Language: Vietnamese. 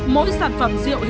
mỗi sản phẩm rượu hình lịch thú